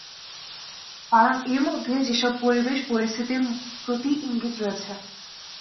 কারণ এর মধ্যে যেসব পরিবেশ-পরিস্থিতির প্রতি ইঙ্গিত রয়েছে।